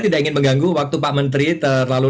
tidak ingin mengganggu waktu pak menteri terlalu